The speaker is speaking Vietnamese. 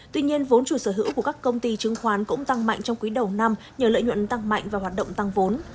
tuy nhiên vốn chủ sở hữu của các công ty chứng khoán cũng tăng mạnh trong quý đầu năm nhờ lợi nhuận tăng mạnh và hoạt động tăng vốn